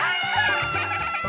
アハハハ！